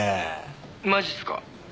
「マジっすか？」